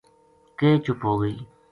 کے چُپ ہو گئی